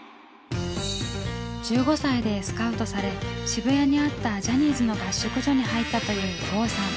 １５歳でスカウトされ渋谷にあったジャニーズの合宿所に入ったという郷さん。